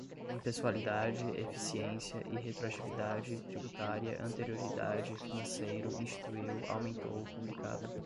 impessoalidade, eficiência, irretroatividade, tributária, anterioridade, financeiro, instituiu, aumentou, publicada